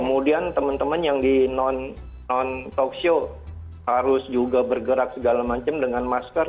karena teman teman yang di non talkshow harus juga bergerak segala macam dengan masker